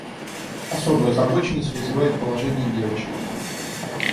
Особую озабоченность вызывает положение девочек.